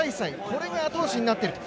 これが後押しになっていると。